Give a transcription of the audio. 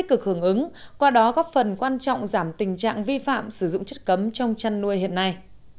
cực hưởng ứng qua đó góp phần quan trọng giảm tình trạng vi phạm sử dụng chất cấm trong chăn nuôi hiện nay